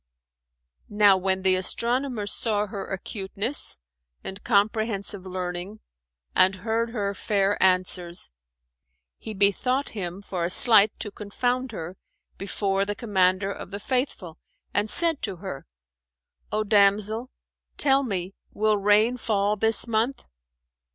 Now when the astronomer saw her acuteness and comprehensive learning and heard her fair answers, he bethought him for a sleight to confound her before the Commander of the Faithful, and said to her, "O damsel, tell me, will rain fall this month?"